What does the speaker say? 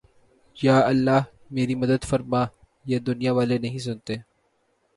یا اللہ میری مدد فرمایہ دنیا والے نہیں سنتے